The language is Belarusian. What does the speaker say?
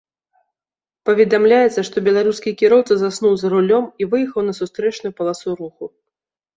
Паведамляецца, што беларускі кіроўца заснуў за рулём і выехаў на сустрэчную паласу руху.